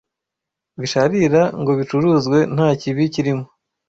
bisharira ngo bicuruzwe nta kibi kirimo,